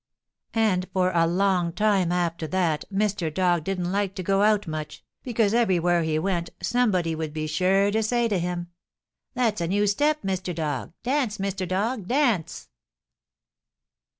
And for a long time after that Mr. Dog didn't like to go out much, because everywhere he went somebody would be sure to say to him: "That's a new step, Mr. Dog! Dance, Mr. Dog; dance!"